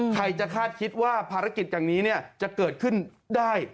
ใครจะคาดคิดว่าภารกิจอย่างนี้จะเกิดขึ้นได้